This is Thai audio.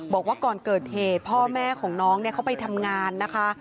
บอกว่าก่อนเกิดเหตุพ่อแม่ของน้องเขาไปทำงานนะคะ